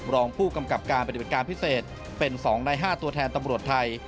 รองผู้กำกับการปฏิบัติการพิเศษเป็น๒ใน๕ตัวแทนตำรวจไทย